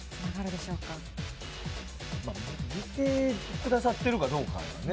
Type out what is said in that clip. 見てくださってるかどうかやね。